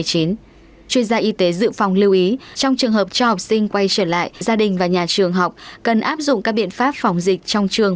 chuyên gia y tế dự phòng lưu ý trong trường hợp cho học sinh quay trở lại gia đình và nhà trường học cần áp dụng các biện pháp phòng dịch trong trường